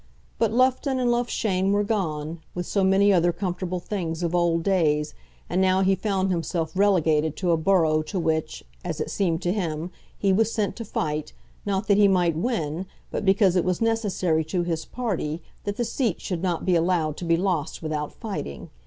But Loughton and Loughshane were gone, with so many other comfortable things of old days, and now he found himself relegated to a borough to which, as it seemed to him, he was sent to fight, not that he might win, but because it was necessary to his party that the seat should not be allowed to be lost without fighting.